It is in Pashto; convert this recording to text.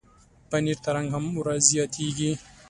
پنېر ته رنګ هم ورزیاتېږي.